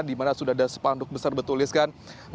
dimana sudah ada sepanduk besar bertulis kan